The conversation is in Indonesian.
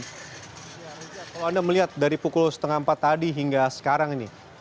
kalau anda melihat dari pukul setengah empat tadi hingga sekarang ini